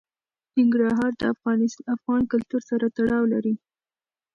ننګرهار د افغان کلتور سره تړاو لري.